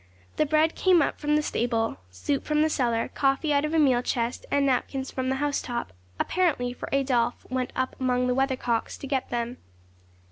The bread came from the stable, soup from the cellar, coffee out of a meal chest, and napkins from the housetop, apparently, for Adolphe went up among the weather cocks to get them.